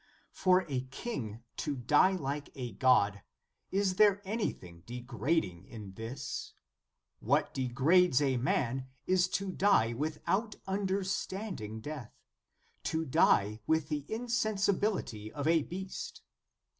^ For a king to die like a God; is there any thing degrading in this? What degrades a man, is to die without understanding death, to die with the insensibility of a beast.